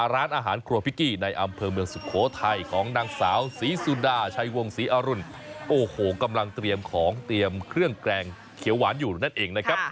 ร้านอาหารครัวพิกกี้ในอำเภอเมืองสุโขทัยของนางสาวศรีสุดาชัยวงศรีอรุณโอ้โหกำลังเตรียมของเตรียมเครื่องแกรงเขียวหวานอยู่นั่นเองนะครับ